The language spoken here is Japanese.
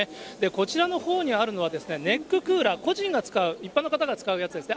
こちらのほうにあるのは、ネッククーラー、個人が使う、一般の方が使うやつですね。